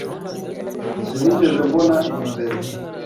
Sinigeze mbona ibi mbere.